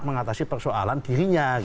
mengatasi persoalan dirinya